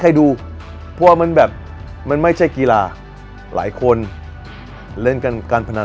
ให้ดูเพราะว่ามันแบบมันไม่ใช่กีฬาหลายคนเล่นการพนัน